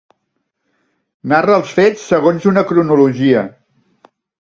Narra els fets segons una cronologia.